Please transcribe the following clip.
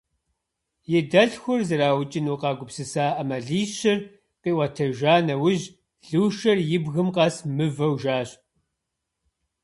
И дэлъхур зэраукӏыну къагупсыса ӏэмалищыр къиӏуэтэжа нэужь, Лушэр и бгым къэс мывэу жащ.